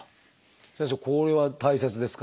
先生これは大切ですか？